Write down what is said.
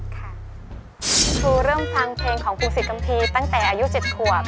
คุณครูเริ่มฟังเพลงของพงศิษย์คัมภีร์ตั้งแต่อายุ๗ขวบ